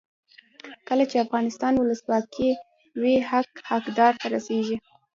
کله چې افغانستان کې ولسواکي وي حق حقدار ته رسیږي.